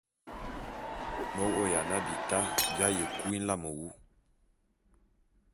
Me vô'ôya na bita bi aye kui nlame wu.